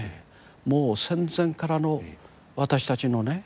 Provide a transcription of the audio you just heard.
もう戦前からの私たちのね